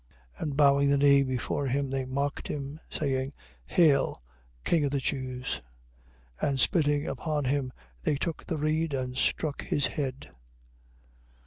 And bowing the knee before him, they mocked him, saying: Hail, King of the Jews. 27:30. And spitting upon him, they took the reed and struck his head.